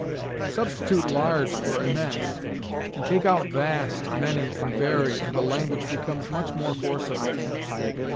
Substitute large for immense, and take out vast, many, and very, and the language becomes much more forcible.